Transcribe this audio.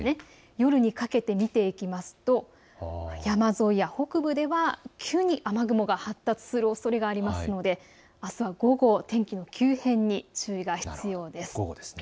夜にかけて見ていきますと山沿いや北部では急に雨雲が発達するおそれがありますのであすは午後、天気の急変に注意が必要です。